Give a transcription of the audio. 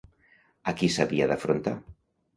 A qui s'havia d'afrontar?